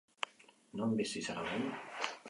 Non bizi zara orain?